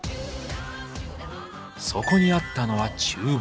そこにあったのは厨房。